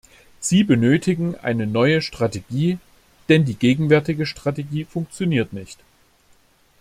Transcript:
Sie benötigen eine neue Strategie, denn die gegenwärtige Strategie funktioniert nicht.